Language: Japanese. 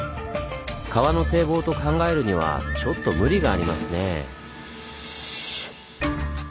川の堤防と考えるにはちょっと無理がありますねぇ。